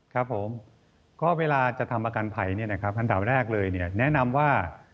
ครับผมก็เวลาจะทำประกันภัยอันดับแรกเลยแนะนำว่า